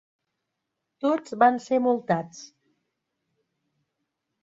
Tots van ser multats.